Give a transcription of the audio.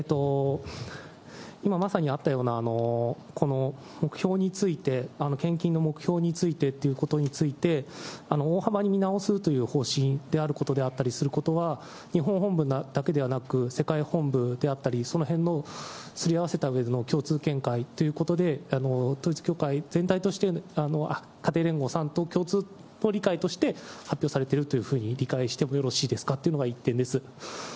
今まさにあったような、この目標について、献金の目標についてということについて、大幅に見直すという方針であることであったりすることは、日本本部だけではなく、世界本部であったり、そのへんのすり合わせたうえでの共通見解ということで、統一教会全体として、家庭連合さん共通の理解として発表されてるというふうに理解してもよろしいですかっていうのが１点です。